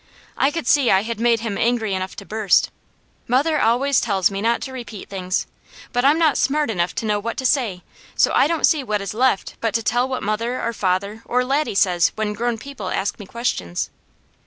I could see I had made him angry enough to burst. Mother always tells me not to repeat things; but I'm not smart enough to know what to say, so I don't see what is left but to tell what mother, or father, or Laddie says when grown people ask me questions.